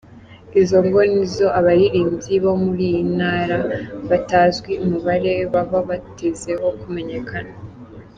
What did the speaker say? Izo ngo ni zo abaririmbyi bo muri iyo Ntara batazwi umubare, baba batezeho kumenyekana.